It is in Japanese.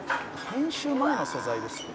「編集前の素材ですよ」